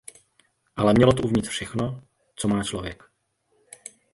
Ale mělo to uvnitř všechno, co má člověk.